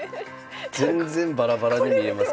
全然バラバラに見えますけども。